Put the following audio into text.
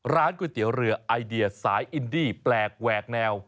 ก๋วยเตี๋ยวเรือไอเดียสายอินดี้แปลกแหวกแนว